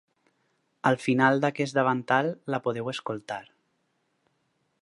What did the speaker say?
Al final d’aquest davantal la podeu escoltar.